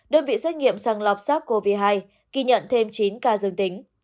đơn vị xét nghiệm sàng lọc sars cov hai ghi nhận thêm chín ca dương tính